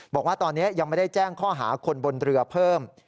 บอกว่าตอนนี้ยังไม่ได้แจ้งข้อหาคนบนเรือเพิ่ม